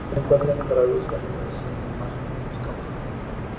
Se encuentra en prados, llanuras y en los márgenes de los campos.